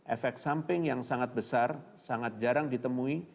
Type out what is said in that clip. efek samping yang sangat besar sangat jarang ditemui